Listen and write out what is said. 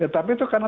tapi itu karena